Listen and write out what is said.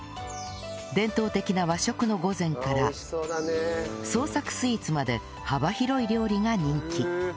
伝統的な和食の御膳から創作スイーツまで幅広い料理が人気